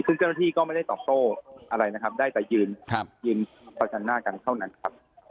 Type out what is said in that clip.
ซึ่งเจ้าหน้าที่ก็ไม่ได้ตอบโต้อะไรนะครับได้แต่ยืนยืนประชันหน้ากันเท่านั้นครับ